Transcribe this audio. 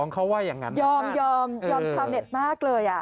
เขาว่าอย่างนั้นยอมยอมชาวเน็ตมากเลย